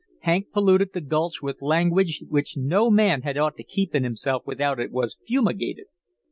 Hank polluted the gulch with langwidge which no man had ought to keep in himself without it was fumigated.